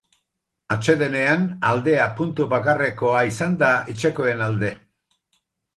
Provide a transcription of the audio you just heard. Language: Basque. Atsedenaldian, aldea puntu bakarrekoa izan da etxekoen alde.